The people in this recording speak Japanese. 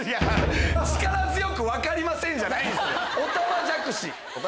力強く「わかりません！」じゃないです。